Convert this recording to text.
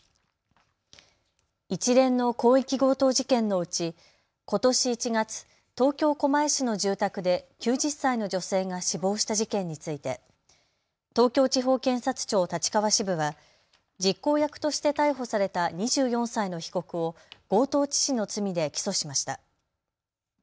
一連の広域強盗事件のうちことし１月、東京狛江市の住宅で９０歳の女性が死亡した事件について東京地方検察庁立川支部は実行役として逮捕された２４歳の被告を強盗致死の罪で起訴しました。